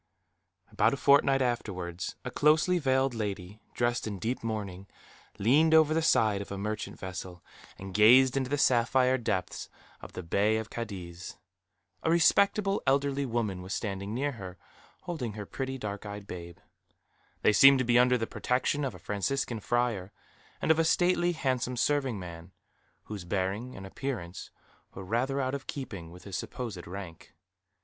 About a fortnight afterwards, a closely veiled lady, dressed in deep mourning, leaned over the side of a merchant vessel, and gazed into the sapphire depths of the Bay of Cadiz. A respectable elderly woman was standing near her, holding her pretty dark eyed babe. They seemed to be under the protection of a Franciscan friar; and of a stately, handsome serving man, whose bearing and appearance were rather out of keeping with his supposed rank.